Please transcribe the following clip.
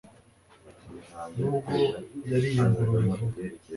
nubwo yariye ingurube vuba